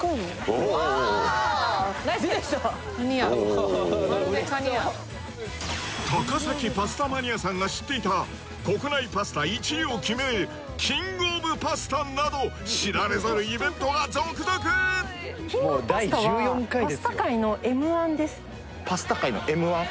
おー高崎パスタマニアさんが知っていた国内パスタ１位を決める「キングオブパスタ」など知られざるイベントが続々・パスタ界のＭ−１？